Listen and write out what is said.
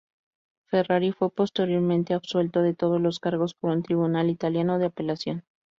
Ferrari fue posteriormente absuelto de todos los cargos por un tribunal italiano de apelación.